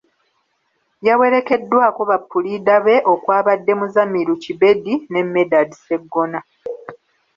Yawerekeddwako bapuliida be okwabadde Muzamiru Kibedi ne Medard Sseggona.